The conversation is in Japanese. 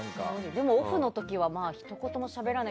オフの時はひと言もしゃべらない。